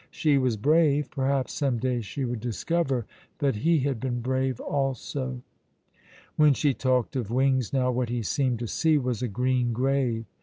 She was brave; perhaps some day she would discover that he had been brave also. When she talked of wings now, what he seemed to see was a green grave.